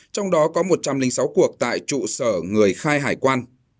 trong đó có một trăm linh sáu cuộc tại trụ sở người khai hải quan